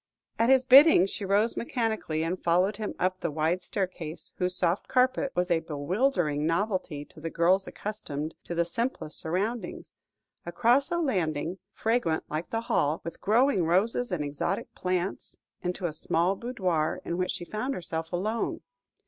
At his bidding she rose mechanically, and followed him up the wide staircase, whose soft carpet was a bewildering novelty to the girl accustomed to the simplest surroundings, across a landing, fragrant, like the hall, with growing roses and exotic plants, into a small boudoir, in which she found herself alone.